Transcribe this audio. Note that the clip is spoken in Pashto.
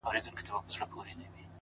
د سترګو کي ستا د مخ سُرخي ده،